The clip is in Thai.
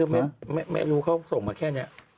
ไม่รู้เขาส่งมาแค่นี้